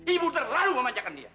ibu terlalu memanjakan dia